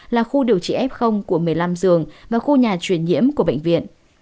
là khu điều trị f của một mươi năm giường và khu nhà truyền nhiễm của bệnh viện